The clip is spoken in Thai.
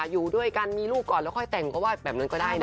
อยู่ด้วยกันมีลูกก่อนแล้วค่อยแต่งก็ว่าแบบนั้นก็ได้นะ